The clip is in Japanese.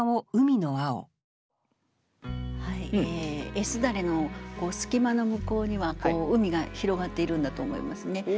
絵すだれの隙間の向こうには海が広がっているんだと思いますね。